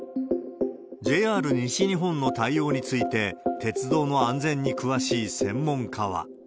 ＪＲ西日本の対応について、鉄道の安全に詳しい専門家は。